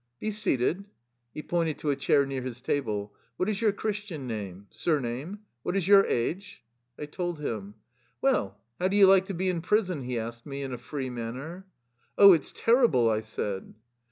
^^ Be seated." He pointed to a chair near his table. "What is your Christian name? Sur name? What is your age? '' 1 told him. "Well, how do you like to be in prison?" he asked me in a free manner. " Oh, it 's terrible! " I said.